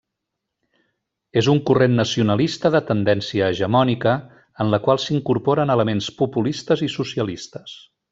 És un corrent nacionalista, de tendència hegemònica, en la qual s'incorporen elements populistes i socialistes.